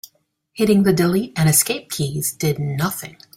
Hitting the delete and escape keys did nothing.